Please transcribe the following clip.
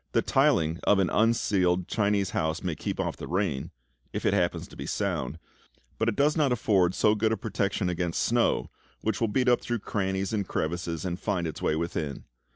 The tiling of an unceiled Chinese house may keep off the rain if it happens to be sound but it does not afford so good a protection against snow, which will beat up through crannies and crevices, and find its way within.